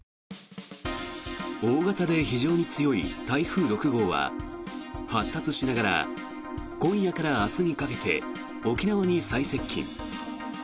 大型で非常に強い台風６号は発達しながら今夜から明日にかけて沖縄に最接近。